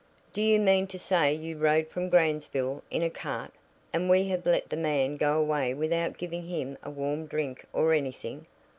"Do you mean to say you rode from Gransville in a cart? And we have let the man go away without giving him a warm drink or anything!